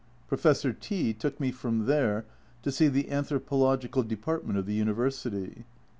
Professor T took me from there to see the Anthropological Depart ment of the University.